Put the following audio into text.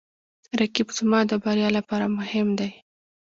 رقیب زما د بریا لپاره مهم دی